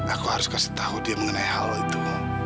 aku harus kasih tahu dia mengenai hal untukmu